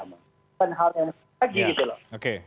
bukan hal yang lagi gitu loh